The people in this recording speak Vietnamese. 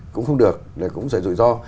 cũng không được là cũng sẽ rủi ro